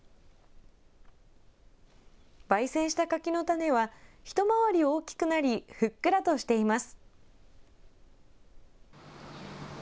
ばい煎した柿の種は、一回り大きくなり、ふっくらとしています。